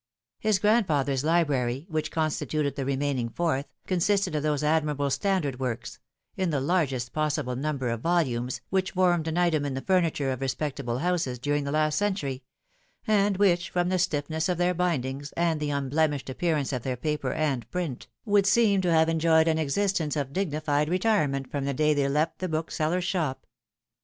His grandfather's library, which constituted the remaining fourth, consisted of those admirable standard works, in the largest possible number of volumes, which formed an item in the furni ture of a respectable house during the last century, and which, from the stiffness of their bindings and the unblemished appear ance of their paper and print, would seem to have enjoyed an existence of dignified retirement from the day they left the bookseller's shop.